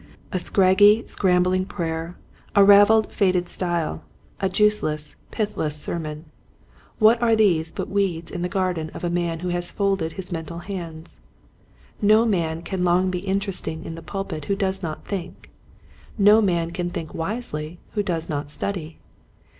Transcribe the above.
A scraggy, scrambling prayer, a raveled, jfaded style, a juiceless, pithless sermon, 44 Qt^^iet Hints to Groiving Preachers. what are these but weeds in the garden of a man who has folded his mental hands ? No man can long be interesting in the pulpit who does not think. No man can think wisely who does not study.